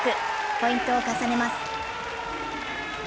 ポイントを重ねます。